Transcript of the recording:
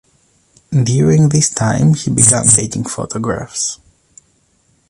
During this time he began taking photographs.